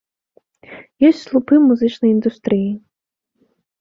Ёсць слупы музычнай індустрыі.